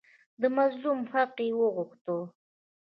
د مظلوم حق یې وغوښت.